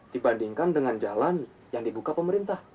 dibandingkan dengan jalan yang dibuka pemerintah